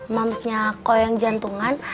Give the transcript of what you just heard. mama kamu yang jantungan